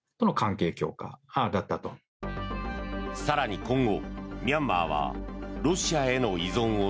更に今後、ミャンマーはロシアへの依存を